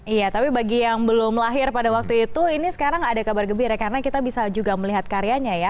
iya tapi bagi yang belum lahir pada waktu itu ini sekarang ada kabar gembira ya karena kita bisa juga melihat karyanya ya